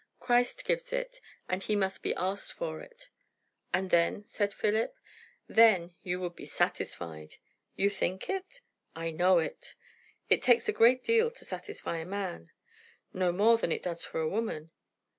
Christ gives it, and he must be asked for it." "And then ?" said Philip. "Then you would be satisfied." "You think it?" "I know it." "It takes a great deal to satisfy a man!" "Not more than it does for a woman."